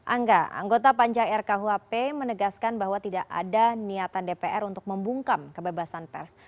angga anggota panjang rkuhp menegaskan bahwa tidak ada niatan dpr untuk membungkam kebebasan pers